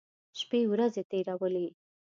شپې ورځې تېرولې.